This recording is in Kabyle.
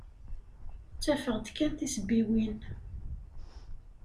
Ttafeɣ-d kan tisebbiwin.